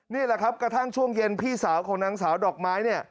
นี่แหละครับกระทั่งช่วงเย็นพี่สาวของนางสาวดอกไม้เนี่ย